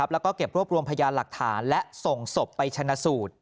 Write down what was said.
แล้วก็เก็บรวบรวมพยานหลักฐานและส่งศพไปชนะสูตร